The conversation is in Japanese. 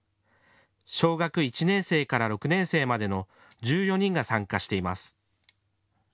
小学１年生から６年生までの１４人が参加しています。